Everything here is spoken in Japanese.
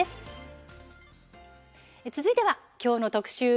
続いては、きょうの特集